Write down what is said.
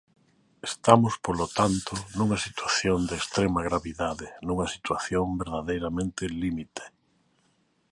Estamos, polo tanto, nunha situación de extrema gravidade, nunha situación verdadeiramente límite.